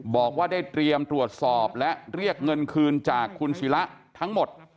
บอกว่าได้เตรียมตรวจสอบและเรียกเงินคืนจากคุณศิละทั้งหมด